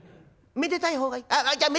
めでたい方がいい？